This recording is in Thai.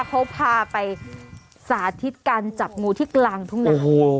เขาพาไปสาธิตการจับงูที่กลางทุ่งนา